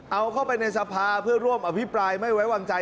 เอาเข้าไปในสภาเพื่อร่วมอภิปรายไม่ไว้วางใจ